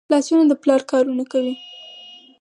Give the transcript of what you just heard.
لاسونه د پلار کارونه کوي